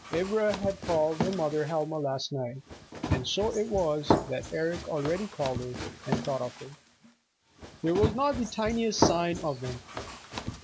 Ivra had called her mother "Helma" last night, and so it was that Eric already called her and thought of her. There was not the tiniest sign of them.